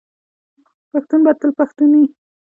پښتون به تل پښتون وي.